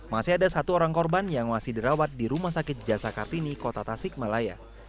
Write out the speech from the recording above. masih ada satu orang korban yang masih dirawat di rumah sakit jasa kartini kota tasikmalaya